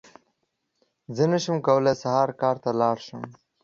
زه نشم کولی سهار کار ته لاړ شم!